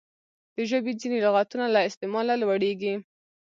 د ژبي ځیني لغاتونه له استعماله لوړیږي.